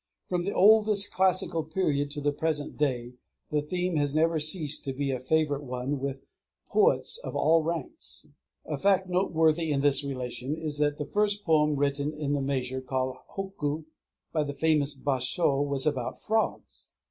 From the oldest classical period to the present day, the theme has never ceased to be a favorite one with poets of all ranks. A fact noteworthy in this relation is that the first poem written in the measure called hokku, by the famous Bashō, was about frogs.